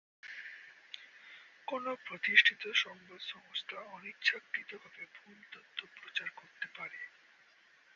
কোনও প্রতিষ্ঠিত সংবাদ সংস্থা অনিচ্ছাকৃতভাবে ভুল তথ্য প্রচার করতে পারে।